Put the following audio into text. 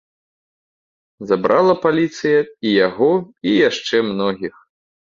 Забрала паліцыя і яго і яшчэ многіх.